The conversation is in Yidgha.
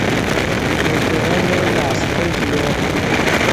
دے ګیرزو لاستے ژیو